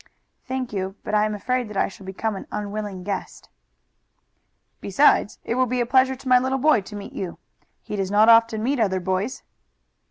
"Thank you, but I am afraid that I shall become an unwilling guest." "Besides, it will be a pleasure to my little boy to meet you. He does not often meet other boys."